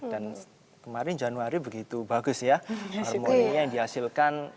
dan kemarin januari begitu bagus ya harmoninya yang dihasilkan